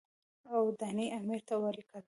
اوډني امیر ته ولیکل.